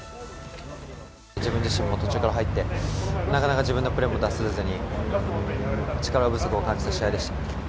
自分自身も途中から入ってなかなか自分のプレーも出せずに力不足を感じた試合でした。